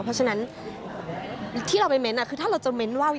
เพราะฉะนั้นที่เราไปเม้นต์คือถ้าเราจะเน้นว่า